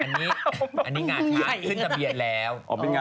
อันนี้อันนี้งาชาบน์ขึ้นสะเบียดแล้ว